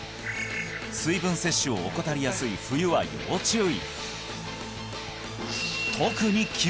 水分摂取を怠りやすい冬は要注意！